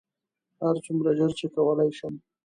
هرڅومره ژر چې کولی شم.